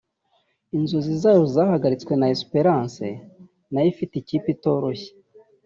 inzozi zayo zaharitswe na Esperance nayo ifite ikipe itoroshye